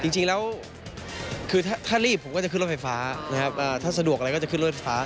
จริงแล้วคือถ้ารีบผมก็จะขึ้นรถไฟฟ้านะครับถ้าสะดวกอะไรก็จะขึ้นรถไฟฟ้า